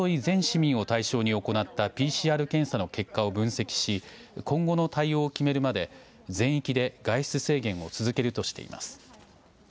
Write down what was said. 全市民を対象に行ったＰＣＲ検査の結果を分析し、今後の対応を決めるまで全域で外出制限を続けるとしています。